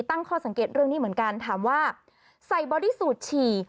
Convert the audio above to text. ตั้งข้อสังเกตเรื่องนี้เหมือนกันถามว่าใส่บอดี้สูตรฉี่